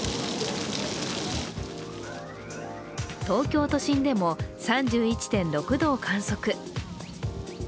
東京都心でも３１．６度を観測。